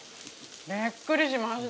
◆びっくりしました。